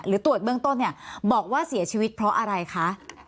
ตรวจเบื้องต้นเนี่ยบอกว่าเสียชีวิตเพราะอะไรคะ